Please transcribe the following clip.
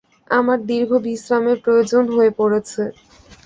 আমার দীর্ঘ বিশ্রামের প্রয়োজন হয়ে পড়েছে।